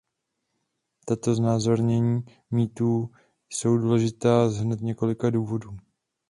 Tato znázornění mýtů jsou důležitá z hned několika důvodů.